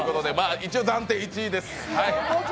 一応、暫定１位です。